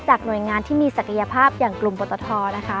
หน่วยงานที่มีศักยภาพอย่างกลุ่มปตทนะคะ